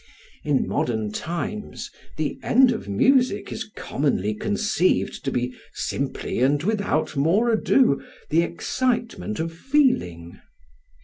In modern times the end of music is commonly conceived to be simply and without more ado the excitement of feeling.